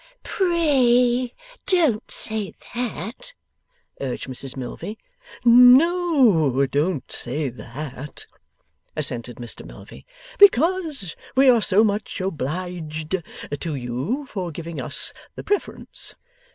'PRAY don't say that!' urged Mrs Milvey. 'No, don't say that,' assented Mr Milvey, 'because we are so much obliged to you for giving us the preference.